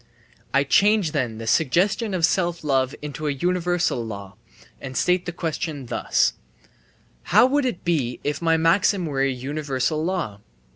I change then the suggestion of self love into a universal law, and state the question thus: "How would it be if my maxim were a universal law?"